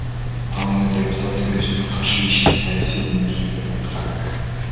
Ал эми депутат өзүнө каршы ишти саясий мүнөздүү деп айткан.